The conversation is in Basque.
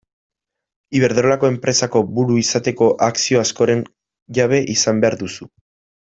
Iberdrolako enpresako buru izateko akzio askoren jabe izan behar duzu.